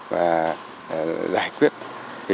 và giải quyết cái